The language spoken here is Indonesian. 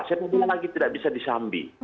sepak bola lagi tidak bisa disambi